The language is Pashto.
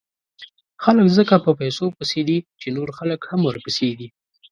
خلک ځکه په پیسو پسې دي، چې نور خلک هم ورپسې دي.